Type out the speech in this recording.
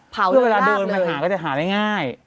เผาเรื่อยเรื่อยเพื่อเวลาเดินมาหาก็จะหาได้ง่าย